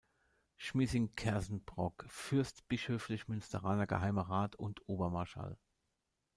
Schmising-Kerssenbrock, fürstbischöflich münsteraner Geheimer Rat und Obermarschall.